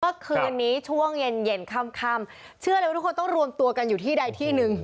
ก็คือนี้ช่วงเย็นข้ำเชื่อเลยว่าทุกคนต้องรวมตัวกันอยู่ที่ใดที่นึง